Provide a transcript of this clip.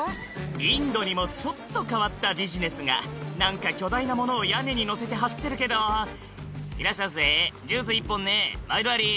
インドにもちょっと変わったビジネスが何か巨大なものを屋根に載せて走ってるけど「いらっしゃいませジュース１本ねまいどあり」